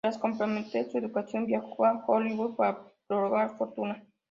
Tras completar su educación, viajó a Hollywood para probar fortuna.